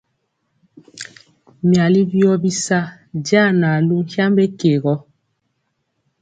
Myali wyɔ bisa janalu nkyambe ke gɔ.